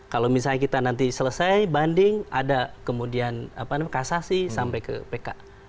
kalau misalnya kita nanti selesai banding ada kemudian kasasi sampai ke pk